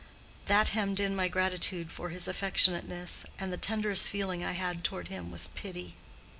That hemmed in my gratitude for his affectionateness, and the tenderest feeling I had toward him was pity.